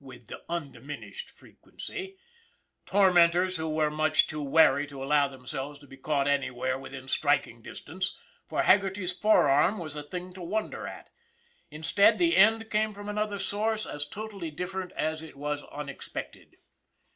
with undiminished frequency tormen tors who were much too wary to allow themselves to be caught anywhere within striking distance, for Hag gerty's forearm was a thing to wonder at. Instead, the end came from another source as totally different " WHERE'S HAGGERTY?" 269 as it was unexpected.